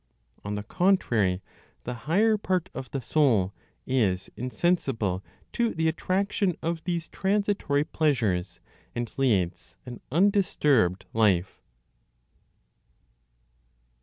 On the contrary, the higher part of the soul is insensible to the attraction of these transitory pleasures, and leads an undisturbed life.